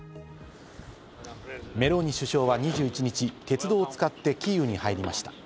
メローニ首相は２１日、鉄道を使ってキーウに入りました。